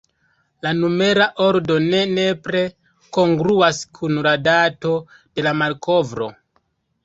La numera ordo ne nepre kongruas kun la dato de la malkovro.